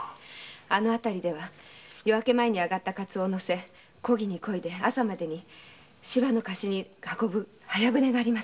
あの辺りでは夜明け前にカツオを載せ漕ぎに漕いで朝までに芝の河岸に運ぶ早船があります。